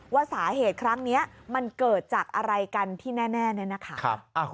ว่าสาเหตุครั้งนี้มันเกิดจากอะไรกันที่แน่เนี่ยนะคะ